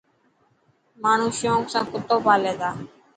ماڻو شونق سان ڪتو پالي تا.